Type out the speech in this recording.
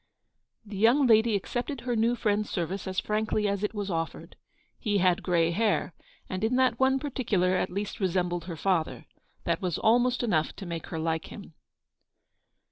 The young lady accepted her new friend's service as frankly as it was offered. He had grey hair, and in that one particular at least resembled her father. That was almost enough to make her like him.